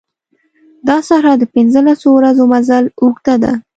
دا صحرا د پنځه لسو ورځو مزل اوږده ده.